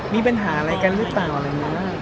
มีปัญหาอะไรกันหรือเปล่าอะไรอย่างนี้